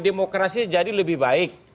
demokrasi jadi lebih baik